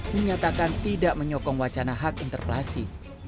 menyatakan tidak menyokong wacana hak interpelasi